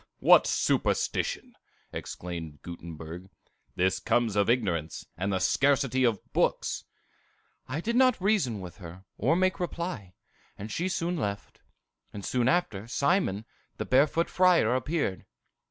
"What superstition!" exclaimed Gutenberg; "this comes of ignorance, and the scarcity of books!" "I did not reason with her, or make reply, and she soon left; and soon after, Simon, the Barefoot Friar, appeared.